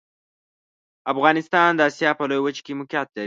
افغانستان د اسیا په لویه وچه کې موقعیت لري.